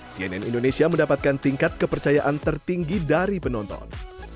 cnn indonesia mendapatkan tingkat kepercayaan tertinggi dari penonton